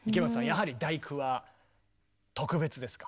やはり「第九」は特別ですか？